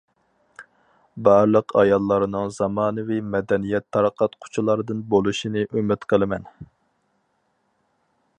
بارلىق ئاياللارنىڭ زامانىۋى مەدەنىيەت تارقاتقۇچىلاردىن بولۇشىنى ئۈمىد قىلىمەن.